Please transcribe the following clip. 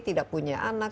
tidak punya anak